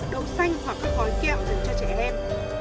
đậu xanh hoặc các gói kẹo dành cho trẻ em